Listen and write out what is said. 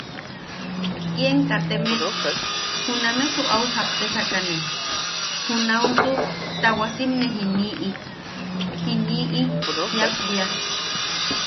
“ien kaateme, junamesu au japtesakane, junaʼusu tawasimmne jiniʼi... jiniʼi jiak bwia”.